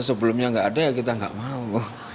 sebelumnya gak ada ya kita gak mau